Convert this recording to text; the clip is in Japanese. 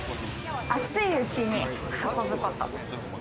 熱いうちに運ぶこと。